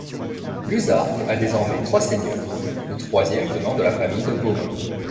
Luzarches a désormais trois seigneurs, le troisième venant de la famille de Beaumont.